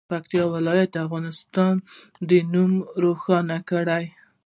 پکتیکا ولایت د افغانستان نوم روښانه کړي.